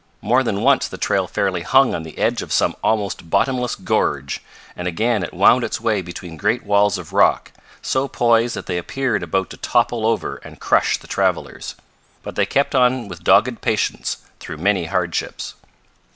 More than once the trail fairly hung on the edge of some almost bottomless gorge, and again it wound its way between great walls of rock, so poised that they appeared about to topple over and crush the travelers. But they kept on with dogged patience, through many hardships.